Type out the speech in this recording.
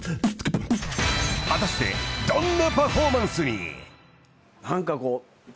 ［果たしてどんなパフォーマンスに？］